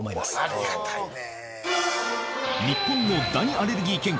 ありがたいね！